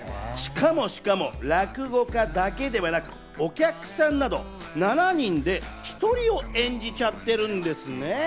しかも落語家だけではなく、お客さんなど１人で７人を演じちゃってるんですって。